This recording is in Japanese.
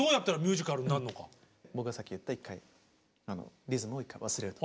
僕がさっき言った１回リズムを１回忘れると。